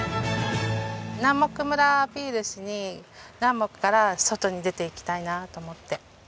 南牧村アピールしに南牧から外に出て行きたいなと思って。